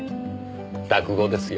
落語ですよ。